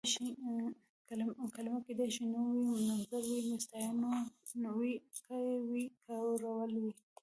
کلمه کيدای شي نوم وي، نومځری وي، ستاینوم وي، کړ وي، کړول وي...